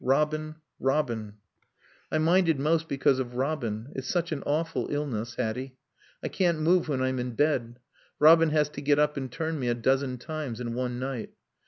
Robin ... Robin ... "I minded most because of Robin. It's such an awful illness, Hatty. I can't move when I'm in bed. Robin has to get up and turn me a dozen times in one night....